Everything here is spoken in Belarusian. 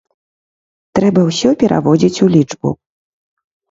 Трэба ўсё пераводзіць у лічбу.